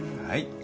はい。